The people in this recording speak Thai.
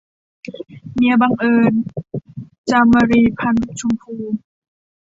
เมียบังเอิญ - จามรี พรรณชมพู